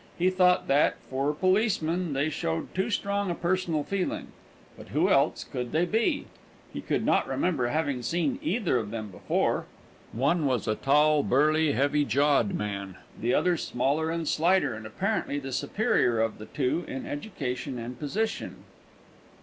He thought that, for policemen, they showed too strong a personal feeling; but who else could they be? He could not remember having seen either of them before. One was a tall, burly, heavy jawed man; the other smaller and slighter, and apparently the superior of the two in education and position.